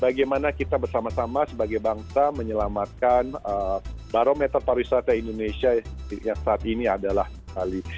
bagaimana kita bersama sama sebagai bangsa menyelamatkan barometer pariwisata indonesia yang saat ini adalah bali